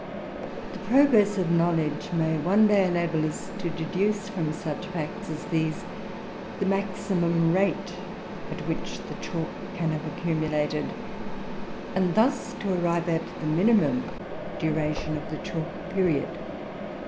] The progress of knowledge may, one day, enable us to deduce from such facts as these the maximum rate at which the chalk can have accumulated, and thus to arrive at the minimum duration of the chalk period.